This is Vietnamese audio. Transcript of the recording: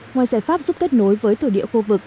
ngoài giải pháp giúp kết nối với thổ địa khu vực